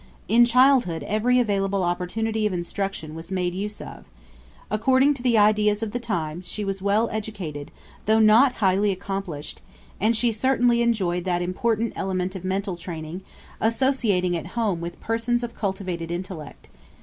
In childhood every available opportunity of instruction was made use of. According to the ideas of the time, she was well educated, though not highly accomplished, and she certainly enjoyed that important element of mental training, associating at home with persons of cultivated intellect.